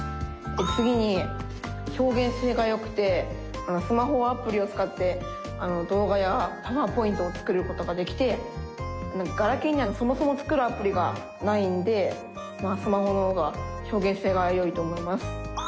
次に表現性がよくてスマホはアプリをつかって動画やパワーポイントを作ることができてガラケーにはそもそも作るアプリがないんでまあスマホのほうが表現性がよいと思います。